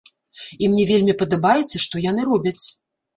І мне вельмі падабаецца, што яны робяць.